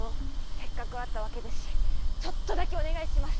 せっかく会ったわけですしちょっとだけお願いします